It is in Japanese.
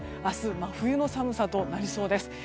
明日、真冬の寒さとなりそうです。